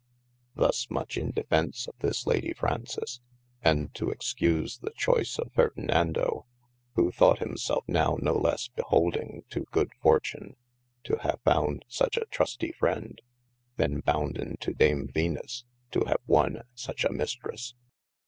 Thus much in defence of this Lady Fraunces, & to excuse the choyce of Ferdenando who thought himself now no lesse beholding to good fortune, to have found such a trusty friend, then bounden to Dame Venus, to have wonne such a Mistres.